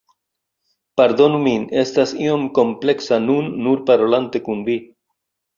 Pardonu min, estas iom kompleksa nun nur parolante kun vi.